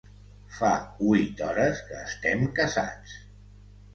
Fa huit hores que estem casats.